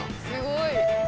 すごい。